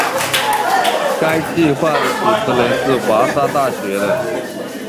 该计画的主持人是华沙大学的。